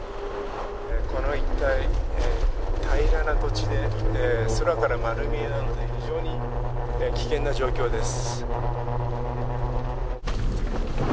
この一帯、平らな土地で、空から丸見えなので、非常に危険な状況です。